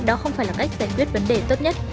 đó không phải là cách giải quyết vấn đề tốt nhất